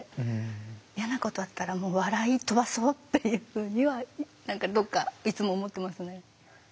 嫌なことあったら笑い飛ばそうっていうふうには何かどっかいつも思ってますね。